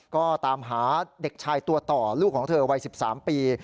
ก็ตามหาเด็กชายตัวต่อลูกของเธอวัย๑๓ปี